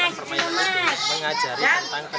kita harus mengajari tentang pendidikan banyak hal